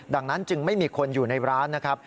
ดังนั้นจึงไม่มีคนอยู่ในร้านนะครับ